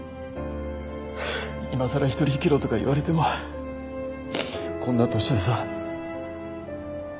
今さら一人生きろとか言われてもこんな年でさ。